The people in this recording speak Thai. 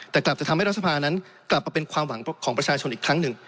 แต่กลับจะทำให้รัฐสภานั้นกลับมาเป็นความหวังของประชาชนอีกครั้งหนึ่ง